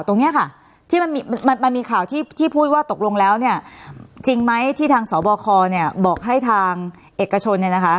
ตรงนี้ค่ะที่มันมีข่าวที่พูดว่าตกลงแล้วเนี่ยจริงไหมที่ทางสบคเนี่ยบอกให้ทางเอกชนเนี่ยนะคะ